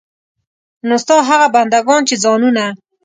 نو ستا هغه بندګان چې ځانونه.